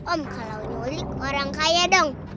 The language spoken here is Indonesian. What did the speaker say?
om kalau nyulik orang kaya dong